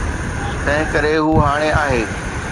تنهنڪري هو هاڻي آهي.